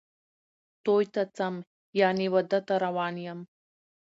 توی ته څم ،یعنی واده ته روان یم